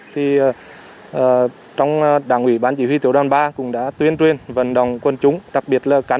thì trong đảng ủy ban chỉ huy tiểu đoàn ba cũng đã tuyên truyền vận động quân chúng đặc biệt là cán